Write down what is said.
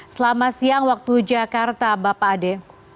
selamat siang waktu jakarta bapak ade